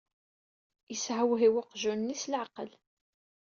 Yeshewhiw uqjun-nni s leɛqel.